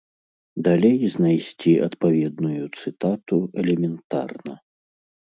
Далей знайсці адпаведную цытату элементарна.